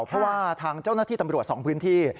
เพราะว่าทางเจ้าหน้าที่ตำรวจ๒พื้นที่